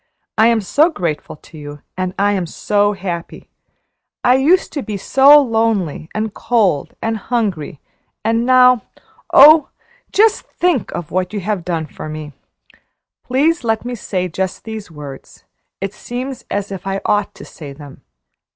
I am so grateful to you and I am so happy! I used to be so lonely and cold and, hungry, and now, oh, just think what you have done for me! Please let me say just these words. It seems as if I ought to say them.